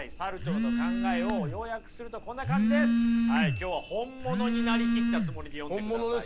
今日は本物に成りきったつもりで読んでくださいよ。